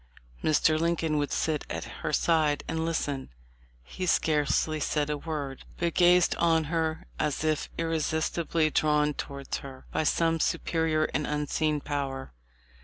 Mr. Lincoln would sit at her side and listen. He scarcely said a word, 210 TEE LIFE OF LINCOLN. but gazed on her as if irresistibly drawn towards her by some superior and unseen power.